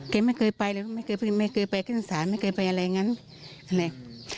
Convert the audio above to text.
แกไม่เคยไปเลยไม่เคยไปกินสารไม่เคยไปอะไรอย่างนั้น